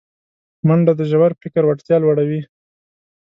منډه د ژور فکر وړتیا لوړوي